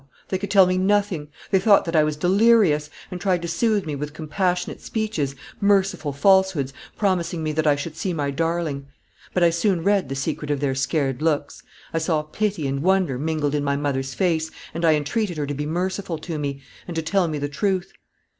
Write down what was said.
They could tell me nothing. They thought that I was delirious, and tried to soothe me with compassionate speeches, merciful falsehoods, promising me that I should see my darling. But I soon read the secret of their scared looks. I saw pity and wonder mingled in my mother's face, and I entreated her to be merciful to me, and to tell me the truth.